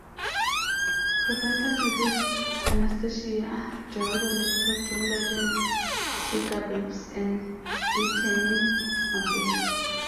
Presenters included Anastacia, Jared Leto, John Legend, Sugababes and Brittany Murphy.